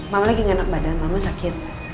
mama lagi gak enak badan lama sakit